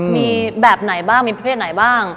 มีแบบไหนบ้างมีเพศไหนบ้าง